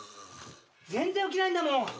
全然起きないんだもん。